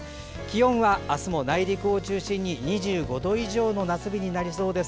気温は明日も内陸を中心に２５度以上の夏日になりそうです。